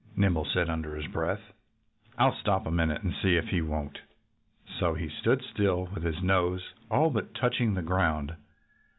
Nimble said under his breath. "I'll stop a minute and see if he won't." So he stood still, with his nose all but touching the ground.